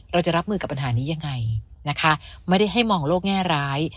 เราจะรับมือกับปัญหานี้ยังไงนะคะไม่ได้ให้มองโลกแง่ร้าย